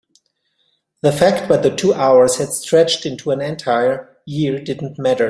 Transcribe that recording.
the fact that the two hours had stretched into an entire year didn't matter.